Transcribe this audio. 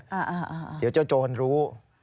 เดี๋ยวเจ้าโจรรู้